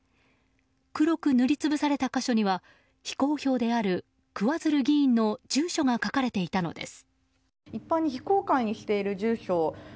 黒く塗り潰された箇所には非公表である桑水流議員の住所が書かれていたのです。